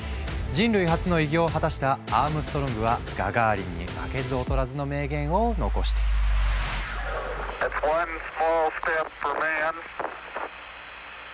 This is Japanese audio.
人類初の偉業を果たしたアームストロングはガガーリンに負けず劣らずの名言を残している。